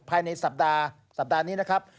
ภายในสัปดาห์นี้นะครับ